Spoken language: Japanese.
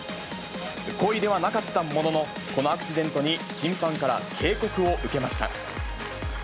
故意ではなかったものの、このアクシデントに審判から警告を受けました。